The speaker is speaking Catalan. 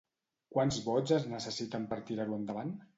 Quants vots es necessiten per tirar-ho endavant?